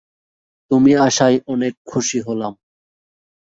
তুমি আসায় অনেক খুশি হলাম।